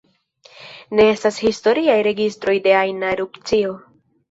Ne estas historiaj registroj de ajna erupcio.